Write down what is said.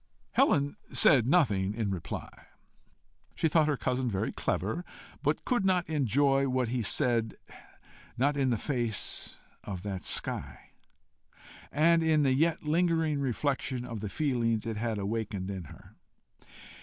Helen said nothing in reply. She thought her cousin very clever, but could not enjoy what he said not in the face of that sky, and in the yet lingering reflection of the feelings it had waked in her.